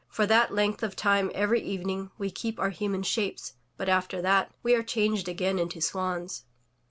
For that length of time every evening we keep our human shapes, but after that we are changed again into swans.''